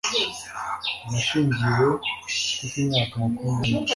nashyingiwe mfite imyaka makumyabiri